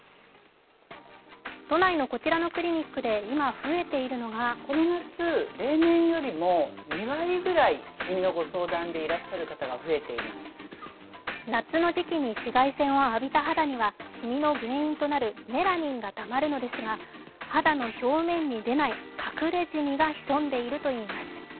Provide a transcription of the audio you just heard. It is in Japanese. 都内のこちらのクリニックで今、増えているのが夏の時期に紫外線を浴びた肌にはシミの原因となるメラニンがたまるのですが肌の表面に出ない、隠れジミがひそんでいるといいます。